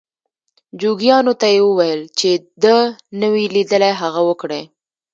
جوګیانو ته یې وویل چې ده نه وي لیدلي هغه وکړي.